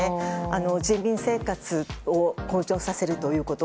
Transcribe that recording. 人民生活を向上させるということ。